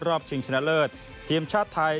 ชิงชนะเลิศทีมชาติไทย